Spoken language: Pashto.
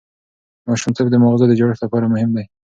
ماشومتوب د ماغزو د جوړښت لپاره مهم دی.